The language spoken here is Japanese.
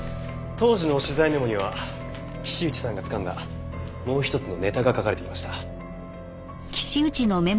当時の取材メモには岸内さんがつかんだもう一つのネタが書かれていました。